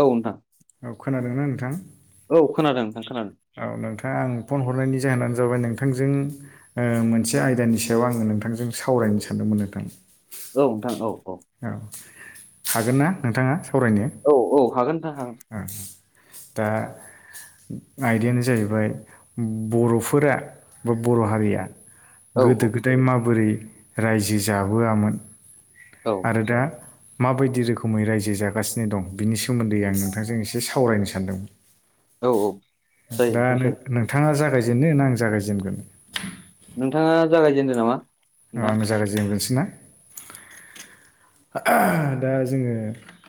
औ नोंथां औ खोनादोंना नोंथां? औ खोनादों नोंथां खोनादों औ नोंथाङा आं फन हरनायनि जाहोनानो जाबाय नोंथांजों ओ मोनसे आयदानि सायाव आङो नोंथांजों सावरायनो सानदोंमोन नोंथां औ नोंथां औ औ औ हागोन ना नोंथाङा सावरायनो? औ औ हागोन नोंथां हागोन दा आयदायानो जाहैबाय बर'फोरा बा बर' हारिया औ औ गोदो-गोदाय माबोरै रायजो जाबोआमोन औ आरो दा माबायदि रोखोमै रायजो जागासिनो दं, बिनि सोमोन्दै आं नोंथांजों एसे सावरायनो सानदोंमोन। औ औ जायो दा नोंथां जायो नोंथाङा जागायजेननो आं जागायजेनगोन? नोंथाङा जागायजेनदो नामा औ नोंथां आंनो जायागाजेग्रोसै ना? दा जोङो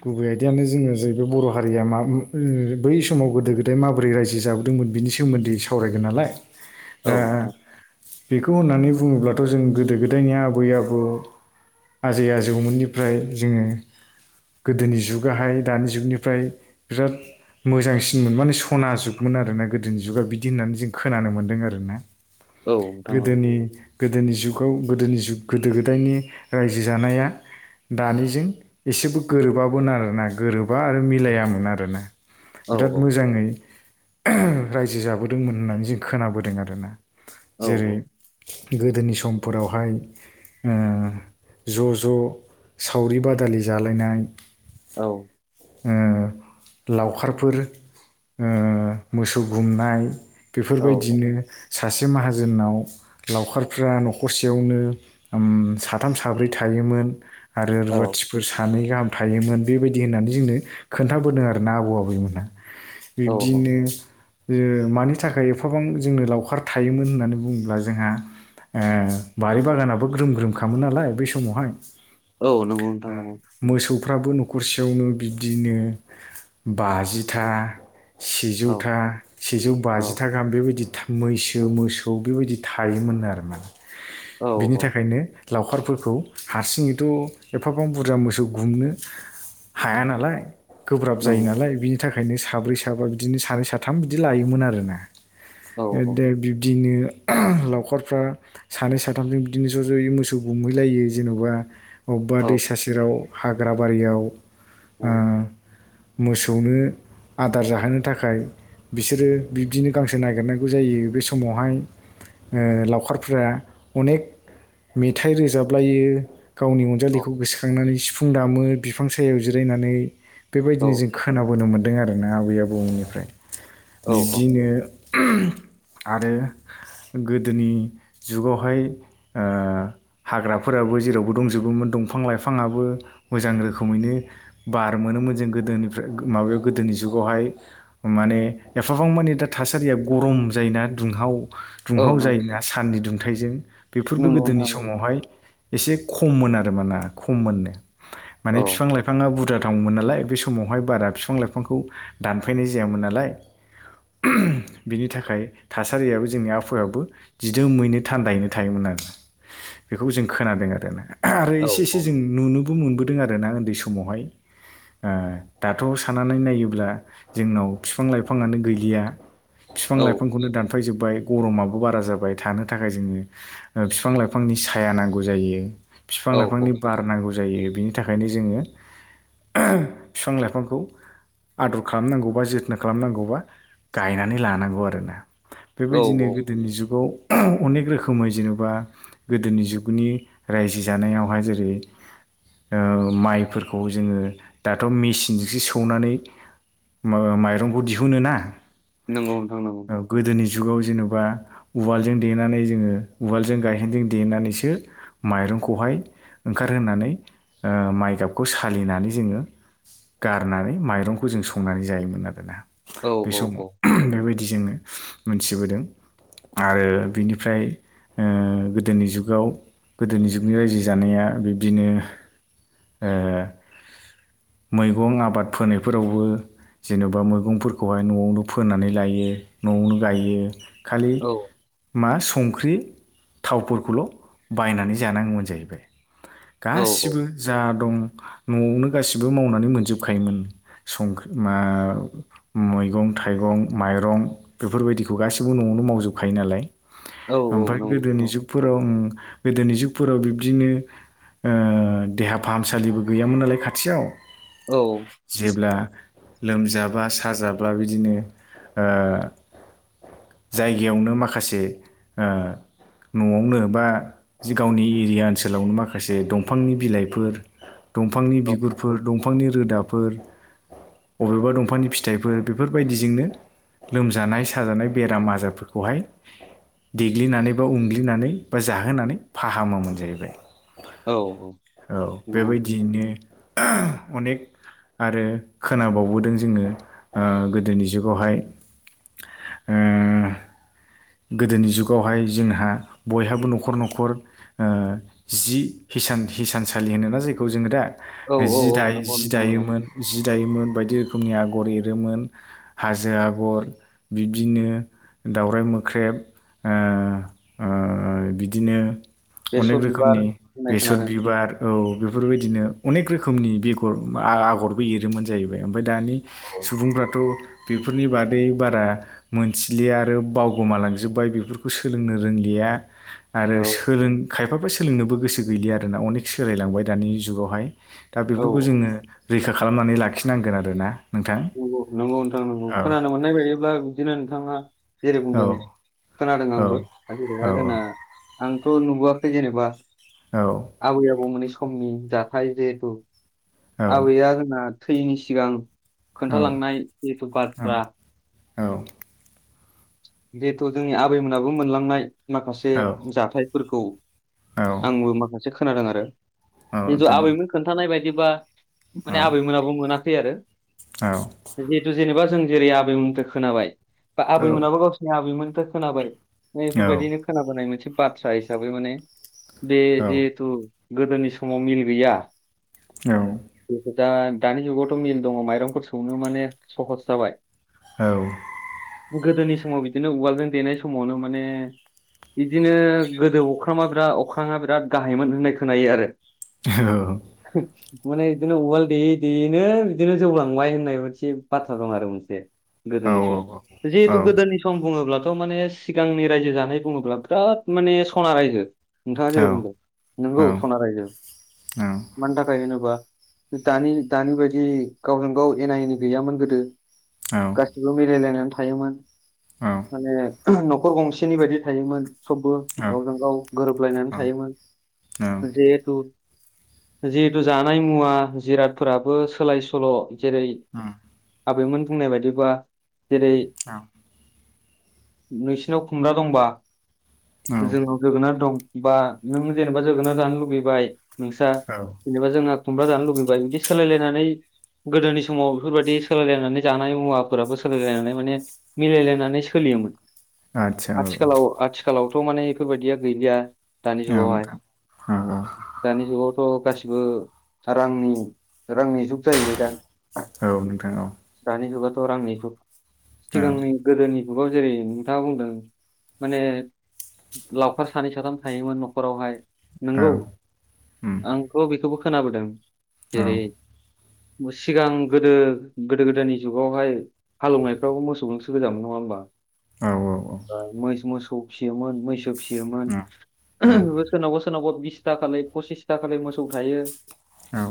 गुबै आयदायानो जोङो जाहैबाय बर' हारिया मा ओ बै समाव गोदो-गोदाय माबोरै रायजो जाबोदोंमोन बिनि सोमोन्दै सावरायगोन नालाय औ दा नोंथां बेखौ होननानै बुङोब्लाथ' जों गोदो-गोदायनि आबै- आबौ, आजै-आजौमोननि ओमफ्राय जोङो गोदोनि जुगाहाय दानि जुगनिफ्राय बिराद मोजांसिनमोन माने सना जुगमोन आरोना गोदोनि जुगा बिदि होननानै जों खोनानो मोन्दों आरोना। औ नोंथां औ गोदोनि गोदोनि जुगाव गोदोनि जुग गोदो-गोदायनि रायजो जानाया दानिजों एसेबो गोरोबामोन आरोना गोरोब बा आरो मिलायामोन आरोना औ बिराद मोजाङै ओहो रायजो जाबोदोंमोन होननानै जों खोनाबोदों आरोना औ जेरै- गोदोनि समफोरावहाय ओ ज' ज' सावरि-बादालि जालायनाय औ ओ लावखारफोर ओ मोसौ गुमनाय, औ बेफोरबायदिनो सासे माहाजोननाव लावखारफ्रा न'खरसेयावनो ओम साथाम- साब्रै थायो मोन आरो औ रुवाथिफोर सानै गाहाम थायोमोन बेबायदि होननानै जोंनो खोन्थाबोदों आरोना आबौ-आबैमोनहा। औ बिब्दिनो ओ मानि थाखाय एफाबां जोंनो लावखार थायोमोन होननानै बुङोब्ला जोंहा ओ बारि-बागानाबो ग्रोम ग्रोम खामोन नालाय बै समावहाय औ नंगौ नोंथां नंगौ [unintelligible] फ्राबो न'खरसेयावनो बिब्दिनो बाजिथा औ सेजौथा, सेजौ औ बाजिथा गाहाम बेबायदि था मैसो-मोसौ बेबायदि थायोमोननो आरोना। औ बिनि औ थाखायनो लावखारफोरखौ हारसिङैथ' एफाबां बुरजा मोसौ गुमनो हाया नालाय, गोब्राब जायो नंगौ नालाय बिनि थाखाय ओंखायनो साब्रै-साबा बिदिनो सानै-साथाम बिदि लायोमोन आरोना औ दा बिब्दिनो लावखारफ्रा सानै-साथामजों बिदिनो ज' ज'यै मोसौ गुमहैलायो जेन'बा अबेबा औ दैसा सेराव हाग्रा बारियाव औ आ मोसौनो आदार जाहोनो थाखाय बिसोरो बिब्दिनो गांसो नागिरनांगौ जायो। बे समावहाय ओ लावखारफोरा अनेक मेथाइ रोजाबलायो गावनि अनजालिखौ गोसोखांनानै सिफुं दामो बिफां सायाव जिरायनानै बेबायदिनो जों खोनाबोनो मोन्दों आरोना आबै आबौमोननिफ्राय बिब्दिनो [unintelligible] आरो गोदोनि जुगावहाय ओ हाग्राफोराबो जेराव दंजोबोमोन दंफां लाइफाङाबो मोजां रोखोमैनो बार मोनोमोन जों गोदोनिफ्राय माबायाव गोदोनि जुगावहाय माने एफाबां मानि दा थासारिया गरम जायोना दुंहाव दुंहाव जायोना साननि दुंथाइजों नंगौ बेफोरबो नंगौ नोंथां गोदोनि नंगौ समावहाय एसे खममोन आरो माना खममोननो औ माने बिफां लाइफाङा बुरजा दंमोन नालाय बे समावहाय बारा बिफां लाइफांखौ दानफायनाय जायामोन नालाय बिनि थाखाय थासारियाबो जोंनि आबहावायाबो जिदोमैनो थान्दायैनो थायोमोन आरो बेखौ जों खोनादों आरोना आरो औ इसे एसे जों नुनोबो मोनबोदों दों आरोना उन्दै समावहाय। ओ दाथ' साननानै नायोब्ला जोंनाव बिफां लाइफाङानो गैलिया बिफां औ लाइफांखौनो दानफायजोब बाय गरमाबो बारा जाबाय थानो थाखाय जोङो बिफां लाइफांनि साया नांगौ जायो। बिफां औ लाइफांनि बार नांगौ जायो बिनि थाखायनो जोङो बिफां लाइफांखौ आदर खालामनांगौबा जोथोन खालामनांगौबा गायनानै लानांगौ आरोना औ बेबायदिनो औ गोदोनि जुगाव अनेक रोखोमै जेनेबा गोदोनि जुगनि रायजो जानायावहाय जेरै ओ माइफोरखौ जोङो दाथ' मेसिनजोंसो सौनानै माइरंखौ दिहुनो ना नंगौ नोंथां नंगौ गोदोनि जुगाव जेनेबा उवालजों देनानै जोङो उवालजों गायहेनजों देनानैसो माइरंखौहाय ओंखारहोनानै ओ माइगाबखौ सालिनानै जोङो गारनानै माइरंखौ जों संनानै जायोमोन आरोना औ बे औ समाव बेबायदि बिदि जोङो मोनथिबोदों। आरो बिनिफ्राय ओ गोदोनि जुगाव गोदोनि जुगनि रायजो जानाया बिब्दिनो ओ मैगं आबाद फोनायफोरावबो जेनेबा मैगंफोरखौहाय न'आवनो फोनानै लायो न'आवनो गायो खालि औ मा संख्रि थावफोरखौल' बायनानै जानांगौमोन जाहैबाय औ औ गासिबो जा दं न'आवनो गासिबो मावनानै मोनजोबखायोमोन संख्रि मा मैगं थाइगं मैगं माइरं बेफोरबायदिखौ गासैबो न'आवनो मावजोबखायो नालाय औ औ ओमफ्राय नंगौ गोदोनि नंगौ जुगफोराव गोदोनि जुगफोराव बिब्दिनो ओ देहा फाहामसालिबो गैयामोन नालाय खाथियाव। औ जेब्ला लोमजाब्ला साजाब्ला बिदिनो ओ जायगायावनो माखासे ओ न'आवनो बा जि गावनि एरिया ओनसोलावनो माखासे दंफांनि बिलाइफोर दंफांनि औ बिगुरफोर दं दंफांनि रोदाफोर बबेबा दंफांनि फिथाइफोर बेफोरबायदिजोंनो लोमजानाय साजानाय बेराम आजारफोरखौहाय देग्लिनानै बा उनग्लिनानै बा जाहोनानै फाहामो मोन जाहैबाय औ औ नंगौ नंगौ बेबायदियैनो अनेक आरो खोनाबावबोदों जोङो गोदोनि जुगावहाय ओ गोदोनि जुगावहाय जोंहा बयहाबो न'खर न'खर ओ जि हिसानसालि होनोना जायखौ जोङो दा औ औ जि औ दायो नंगौ जि नोंथां नंगौ दायोमोन जि दायोमोन बायदि रोखोमनि आगर एरोमोन हाजो आगर बिब्दिनो। दाउरराय मोख्रेब ओ ओ बिदिनो। अनेक बेसर बिबार रोखोमनि होननाय बेसर खोनादों बिबार। औ बेफोरबायदिनो अनेक रोखोमनि बेगर आ-आगरबो एरोमोन जाहैबाय‌। ओमफाय दानि औ सुबुंफ्राथ' बेफोरनि बादै बारा मोनथिलिया आरो बाव गोमालांजोबबाय बेफोरखौ सोलोंनो रोंलिया आरो औ सोलों। खायफाबो सोलोंनोबो गोसो गैलि आरोना अनेक सोलायलांबाय दानि जुगावहाय दा औ बेफोरखौ जोङो। रैखा खालामनानै लाखिनांगोन आरोना। नोंथां नंगौ नंगौ नोंथां नंगौ औ खोनानो मोननाय बायदिब्ला बिदिनो नोंथाङा जेरै औ बुंदों। खोनादों औ आंबो औ जेरै जोंना आंथ' नुबोआखै जेनेबा। औ आबै आबौमोनै समनि जाथाय जिहेथु औ आबैआ जोंना। थैनि सिगां औ खोन्थालांनाय जिथु बाथ्रा। औ। जेथ' जोंनि आबैमोनाबो मोनलांनाय माखासे औ जाथायफोरखौ। औ आंबो माखासे खोनादों आरो औ नोंथां औ जिन्थु आबैमोन खोन्थानाय बायदिबा। माने आबैमोनाबो मोनाखै आरो जिहेथु जेनेबा जों। जेरै आबैमोनिफ्राय खोनाबाय। बा आबैमोनाबो गावसिोरनि आबैमोनिफ्राय खोनाबाय बेफोरबायदिनो खोनाबोनाय मोनसे बाथ्रा हिसाबै माने बे जिहेथु गोदोनि समाव मिल गैया। औ। दा-दानि जुगावथ' मिल दङ माइरंफोर सौनो माने सहस जाबाय। औ। गोदोनि समाव बिदिनो उवालजों देनाय समावनो माने। बिदिनो गोदो अख्रामा बिराद अख्राङा बिराद गाहायमोन होननाय खोनायो आरो। औ। माने बिदिनो उवाल देयै देयैनो बिदिनो जौलांबाय होननाय मोनसे बाथ्रा दं आरो मोनसे। औ गोदोनि समाव जिहेतु गोदोनि सम। बुङोब्लाथ' माने सिगांनि रायजो जानाय बुङोब्ला बिराद माने सना रायजो। नोंथाङा जेरै बुंदों नंगौ सना रायजो मानि थाखाय होनोबा। दानि दानि बायदि गावजों गाव एना एनि गैयामोन गोदो। गासिबो मिलायलायनानै थायोमोन माने। न'खर गंसेनि बायदि थायोमोन। सबबो गावजों गाव गोरोबलायनानै थायोमोन जिहेथु। जिहेतु जानाय मुवा जिरादफोराबो सोलाय सोल'। जेरै आबैमोन बुंनाय बायदिबा जेरै। औ। नोंसिनाव खुमब्रा दंबा औ जोंनाव जोगोनार दं। बा नों जेनेबा जोगोनार जानो लुुबैबाय नोंस्रा जेनेबा जोंहा। खुमब्रा जानो लुुबैबाय बिदि सोलायलायनानै। गोदोनि समाव बेफोरबायाददि सोलायलायनानै जानाय मुवाफोराबो सोलायलायनानै माने। मिलायलायनानै सोलियोमोन आदसा औ आथिखालाव आथिखालाव। थ' मे बेफोरबायदिया गैलिया दानि औ जुगावहाय नोंथां औ ओ रांनि-रांनि जुग जाहैबाय औ नोंथां औ। [unintelligible] रांनि जुग औ सिगांनि गोदोनि जुगाव जेरै नोंथाङा बुंदों माने लावखार सानै साथाम थायोमोन न'खरावहाय औ नंगौ उम आंथ' बेखौबो खोनाबोदों। औ उम जेरै सिगां गोदो--गोदो गोदायनि जुगावहाय हालौवनाय फ्रावबो मोसौजोंसो गोजामोन नङा होमबा औ उम औ नोंथां औ औ ओमफ्राय मै मोसौ फिसियोमोन मैसौ फियोमोन। सोरनावबा-सोरनावबा बिसता खालाय पसिसता खालाय मोसौ थायो।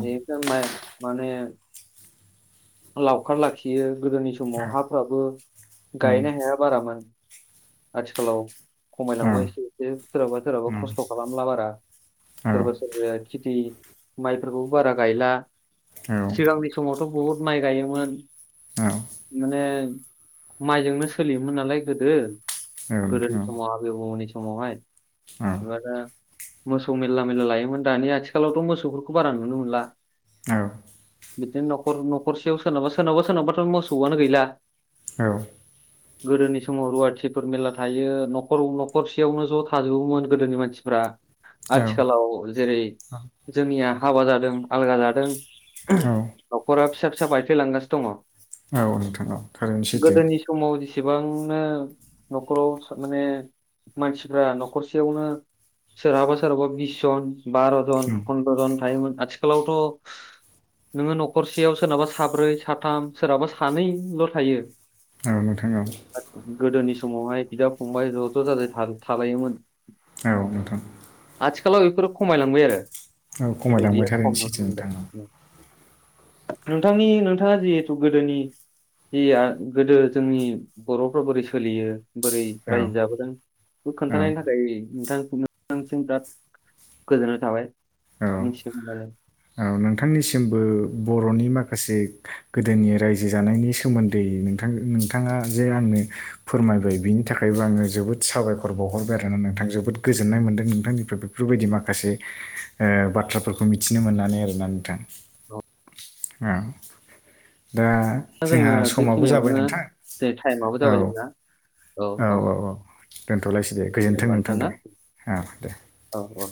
बे [unintelligible] माइ माने लावखार लाखियो। गोदोनि समाव हाफ्राबो गायनाय हाया बारामोन। आथिखालाव खमायलांबा एसे-एसे सोरहाबा-सोरहाबा खस्थ' खालामला बारा सोरबा सोरबाया खेथि माइफोरखौबो बारा गायला सिगांनि समावथ' बहुद माइ गायोमोन। माने माइजोंनो सोलियोमोन नालाय गोदो गोदोनि समाव आबै आबौमोननि समावहाय जेनबा दा मोसौ मेरला-मेरला लायोमोन दानि आथिखालावथ' मोसौफोरखौ बारा नुनो मोनला। औ। बिदिनो न'खर न'खरसेयाव सोरनाबा-सोरनाबा सोरनावाबाथ' मोसौआनो गैला। औ। गोदोनि समाव रुवाथिफोर मेरला थायो न'खर न'खरसेयावनो ज' थाजोबोमोन गोदोनि मानसिफ्रा। औ आथिखालाव जेरै जोंनिया हाबा जादों आलगा जादों। औ न'खरा फिसा-फिसा बायफ्लेलांगासिनो दङ। औ नोंथा औ। थारैनो सैथो गोदोनि समाव एसेबांनो न'खराव सा माने मानसिफ्रा न'खरसेयावनो सोरहाबा-सोरहाबा बिस जन बार'जन उम, फन्द्र'जन थायोमोन। आथिखालावथ' नोङो न'खरसेयाव सोरनाबा साब्रै साथाम सोरनाबा सानै ल' थायो। औ नोंथां औ। गोदोनि समावहाय बिदा फंबाय ज'-ज' जाजाय था थाबायोमोन। औ नोंथां आथिखा खालाव बेफोरो खमायलांबाय आरो औ खमायलांबाय गैलिया खम थारैनो सैथो नुनो नोंथां मोनबाय। औ ओम नोंथांनि नोंथाङा जिहेथु गोदोनि जि गोदो जोंनि बर'फ्रा बोरै सोलियो बोरै औ रायजो जाबोदों बेखौ औ खोन्थानायनि थाखाय नोंथां नोंथांनिसिम बिराद गोजोननाय थाबाय। औ मिथिनो मोननानै औ नोंथांनिसिमबो बर'नि माख से गोदोनि रायजो जानायनि सोमोन्दै नोंथां नोंथाङा जे आंनो फोरमाय [unintelligible] बिनि थाखायबो आङो जोबोद साबायखर बावहरबाय आरो ना नोंथां जोबोद गोजोननाय मोनदों नोंथांनिफ्राय बेफोरबायदि माखासे ओ बाथ्राफोरखौ मिथिनो मोननानै आरोना नोंथां औ। दा दा जोङो जोंहा समाबो जाबाय बेखिनियावनो नोंथां जे टाइमाबो औ। जाबाय जोंना औ औ औ। दलायसै दे गोजोन्थों नोंथां दे औ दे। औ औ